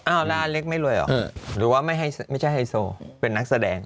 อ้าวแล้วเล็กไม่รวยหรอหรือว่าไม่ใช่ให้โสไปเป็นนักแสดง